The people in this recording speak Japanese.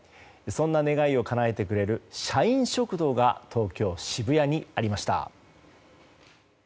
そんな願いをかなえてくれる社員食堂が東京・渋谷にありました。